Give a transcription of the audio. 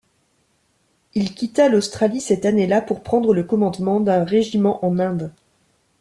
Il quitta l'Australie cette année-là pour prendre le commandement d'un régiment en Inde.